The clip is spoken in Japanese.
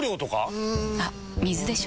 うん。あっ水でしょ。